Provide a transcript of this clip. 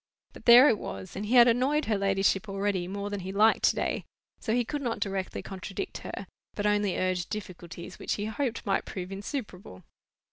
But there it was; and he had annoyed her ladyship already more than he liked to day, so he could not directly contradict her, but only urge difficulties which he hoped might prove insuperable.